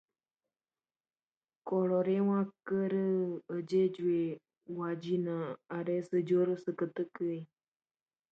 Ha sido adoptado como texto lectura a nivel de enseñanza primaria.